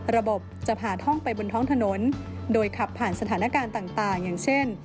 ระบบจะผ่านท่องไปบนท้องถนนโดยขับผ่านสถานการณ์ต่างอย่างเช่น